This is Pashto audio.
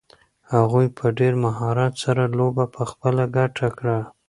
هغوی په ډېر مهارت سره لوبه په خپله ګټه کړه.